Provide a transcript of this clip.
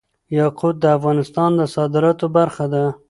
یاقوت د افغانستان د صادراتو برخه ده.